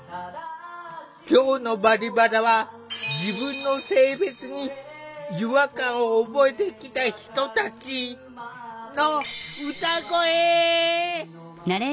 今日の「バリバラ」は自分の性別に違和感を覚えてきた人たちの歌声！